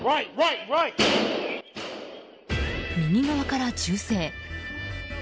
右側から銃声。